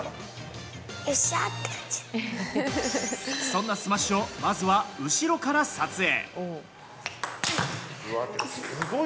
そんなスマッシュをまずは後ろから撮影。